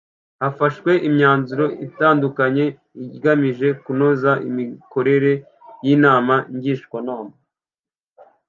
hafashwe imyanzuro itandukanye igamije kunoza imikorere y inama ngishwanama